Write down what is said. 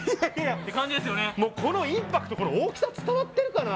このインパクト、この大きさ、伝わってるかな？